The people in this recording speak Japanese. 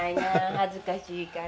恥ずかしいから。